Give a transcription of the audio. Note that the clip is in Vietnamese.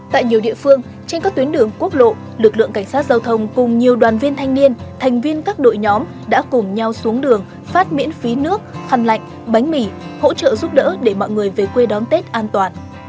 tại nhiều địa phương trên các tuyến đường quốc lộ lực lượng cảnh sát giao thông cùng nhiều đoàn viên thanh niên thành viên các đội nhóm đã cùng nhau xuống đường phát miễn phí nước khăn lạnh bánh mì hỗ trợ giúp đỡ để mọi người về quê đón tết an toàn